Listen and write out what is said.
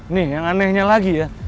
nih yang anehnya lagi ya